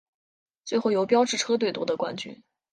最后由标致车队夺得冠军。